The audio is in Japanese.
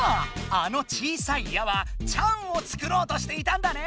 あの小さい「や」は「ちゃん」を作ろうとしていたんだね。